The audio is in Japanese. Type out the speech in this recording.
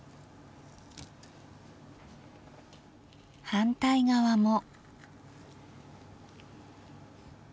反対側も。